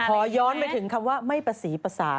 ขอย้อนไปถึงคำว่าไม่ประสีประสาท